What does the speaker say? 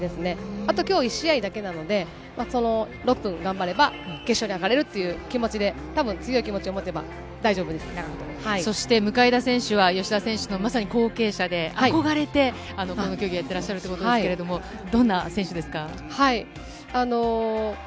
あと、きょう１試合だけなので、その６分頑張れば決勝に上がれるという気持ちで、たぶん、強い気そして向田選手は、吉田選手のまさに後継者で、憧れて、この競技やってらっしゃるということですけれども、どんな選手ですか？